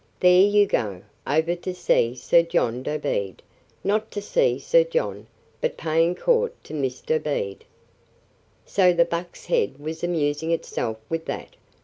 "There you go, over to see Sir John Dobede, not to see Sir John, but paying court to Miss Dobede." "So the Buck's Head was amusing itself with that!"